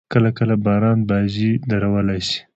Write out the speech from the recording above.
کله – کله باران بازي درولای سي.